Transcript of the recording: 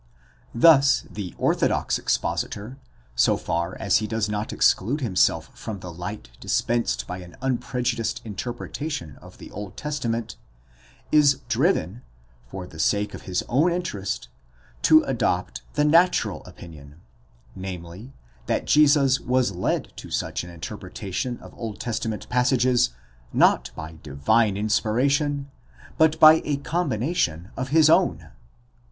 Thus the orthodox expositor, so far as he does not exclude himself from the light dispensed by an unpre judiced interpretation of the Old Testament, is driven, for the sake of his own interest, to adopt the natural opinion ; namely, that Jesus was led to such an interpretation of Old Testament passages, not by divine inspiration, but by a combination of his own.